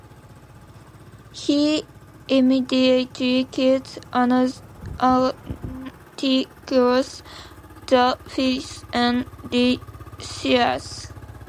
He immediately killed Antiochus the Fifth and Lysias.